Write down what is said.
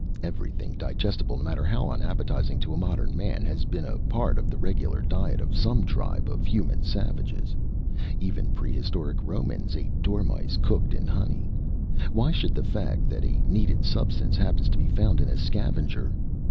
"Everything digestible, no matter how unappetizing to a modern man, has been a part of the regular diet of some tribe of human savages! Even prehistoric Romans ate dormice cooked in honey! Why should the fact that a needed substance happens to be found in a scavenger...."